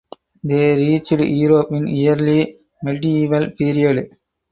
They reached Europe in early medieval period.